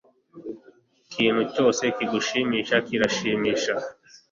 Ikintu cyose kigushimisha kiranshimisha